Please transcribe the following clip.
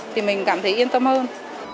thì mình cảm thấy yên tâm hơn